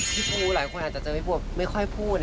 พี่ปูหลายคนอาจจะเจอพี่ปูแบบไม่ค่อยพูด